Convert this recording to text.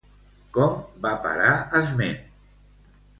Com va parar esment?